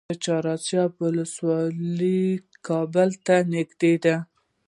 د چهار اسیاب ولسوالۍ کابل ته نږدې ده